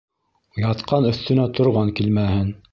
Ятҡан өҫтөнә торған килмәһен.